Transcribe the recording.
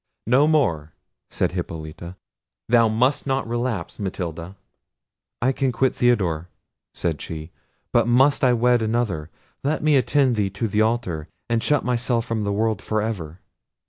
"No more," said Hippolita; "thou must not relapse, Matilda." "I can quit Theodore," said she, "but must I wed another? let me attend thee to the altar, and shut myself from the world for ever."